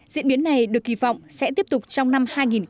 diễn biến này được kỳ vọng sẽ tiếp tục trong năm hai nghìn một mươi bảy